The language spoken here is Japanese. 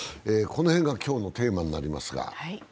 この辺が今日のテーマになりますか。